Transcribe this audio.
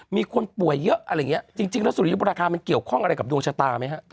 มีคนป่วยเยอะอะไรอย่างนี้จริงแล้วสุริยุปราคามันเกี่ยวข้องอะไรกับดวงชะตาไหมฮะ